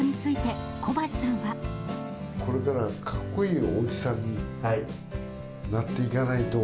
これからは、かっこいいおじさんになっていかないと。